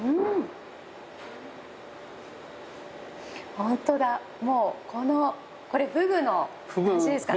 ホントだもうこのこれふぐの味ですか。